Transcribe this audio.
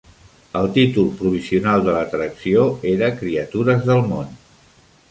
El títol provisional de l'atracció era "Criatures del món".